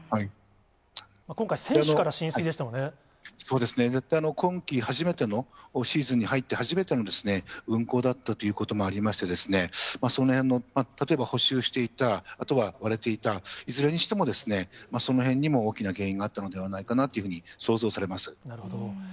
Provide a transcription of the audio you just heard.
今回、そうですね、今季初めての、シーズンに入って初めての運航だったということもありまして、そのへんの、例えば補修していた、あとは割れていた、いずれにしても、そのへんにも大きな原因があったのではないかなというふうになるほど。